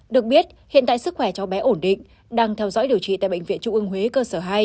được biết hiện tại sức khỏe cháu bé ổn định đang theo dõi điều trị tại bệnh viện trung ương huế cơ sở hai